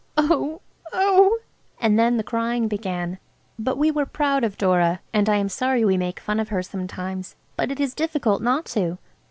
Oh! oh!" and then the crying began. But we were proud of Dora, and I am sorry we make fun of her sometimes, but it is difficult not to.